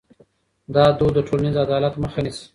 دا دود د ټولنیز عدالت مخه نیسي.